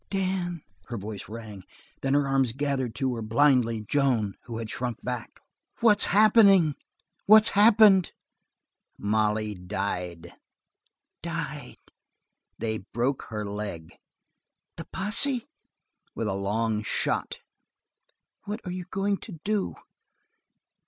"Dan!" Her voice rang, then her arms gathered to her, blindly, Joan, who had shrunk back. "What's happened?" "Molly died." "Died." "They broke her leg." "The posse!" "With a long shot." "What are you going to do!"